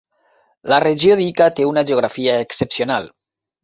La regió d'Ica té una geografia excepcional.